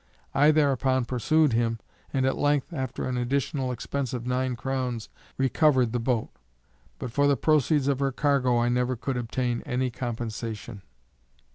I thereupon pursued him, and at length, after an additional expence of nine crowns, recovered the boat; but for the proceeds of her cargo I never could obtain any compensation.